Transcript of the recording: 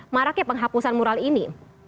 maraknya penghapusan mural ini